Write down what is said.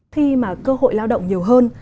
khi mà cơ hội lao động nhiều hơn